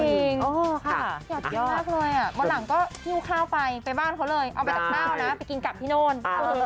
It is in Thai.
เอาไปจากข้าวนะไปกินกลับที่โน่นเข้าไปด้วยเข้าไปด้วย